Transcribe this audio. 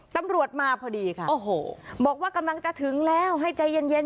ตำรวจมาพอดีค่ะโอ้โหบอกว่ากำลังจะถึงแล้วให้ใจเย็นเย็น